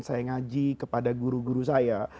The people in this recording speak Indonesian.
saya ngaji kepada guru guru saya